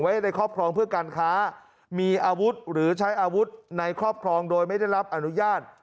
ไว้ในครอบครองเพื่อการค้ามีอาวุธหรือใช้อาวุธในครอบครองโดยไม่ได้รับอนุญาต